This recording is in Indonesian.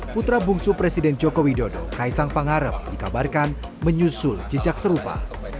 putra bungsu presiden joko widodo kaisang pangarep dikabarkan menyusul jejak serupa